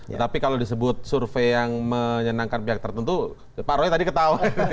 tetapi kalau disebut survei yang menyenangkan pihak tertentu pak roy tadi ketawa